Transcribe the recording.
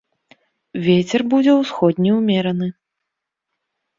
Вецер будзе ўсходні ўмераны.